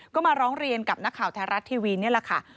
ก็มาร้องเรียนกับนักข่าวไทยรัฐทีวีนี่แหละค่ะ